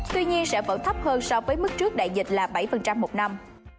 tuy nhiên sẽ vẫn thấp hơn so với mức trước đại dịch là bảy một năm